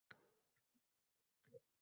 Bizdan sir tutishgani edi.